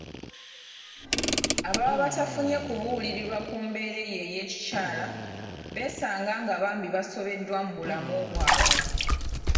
Ababa batafunye kubuulirirwa ku mbeera eyo ey'ekikyala beesanga nga bambi basobeddwa mu bulamu bwabwe.